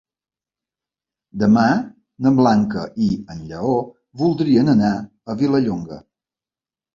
Demà na Blanca i en Lleó voldrien anar a Vilallonga.